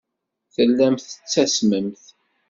Tellamt tettasmemt.